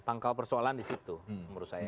pangkal persoalan di situ menurut saya